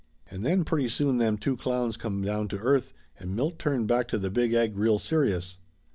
And then pretty soon them two clowns come down to earth and Milt turned back to the Big Egg real serious.